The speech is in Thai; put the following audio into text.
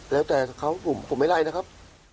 แล้วแต่เขาผมไม่ไล่นะครับ